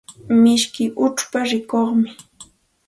Mishiyki uchpa rikuqmi.